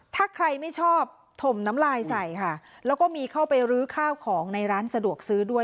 ถ้าใครไม่ชอบถมน้ำลายใส่ค่ะแล้วก็มีเข้าไปรื้อข้าวของในร้านสะดวกซื้อด้วย